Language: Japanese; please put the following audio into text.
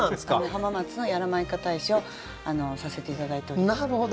浜松のやらまいか大使をさせて頂いております。